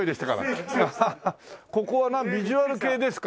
ここはヴィジュアル系ですか？